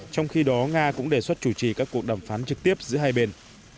trong khi đó nga cũng đề xuất chủ trì các cuộc đàm phán trực tiếp giữa hai bên